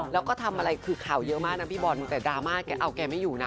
แล้วก็ทำอะไรคือข่าวเยอะมากนะพี่บอลแต่ดราม่าแกเอาแกไม่อยู่นะ